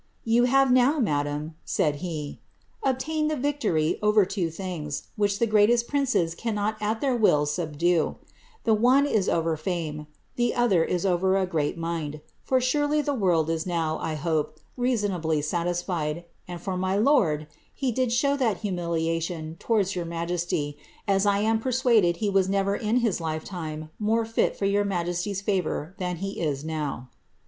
^Tou have now, madam," said he, *^ obtained the victory, over two things, which the greatest princes cannot at their wills subdue ; the one is over fiune— the other is over a great mind. For surely the world is now, 1 hope, rea sooably satisfied ; and for my lord, he did show that humiliation towards your majesty, as 1 am persuaded he was never in his lifetime more fit * Sidney Papers. 'fiiioh. «'ftaOQte%^tarevi. 193 ELIZ ABITH. for your majesty's TsTour ihan he is now."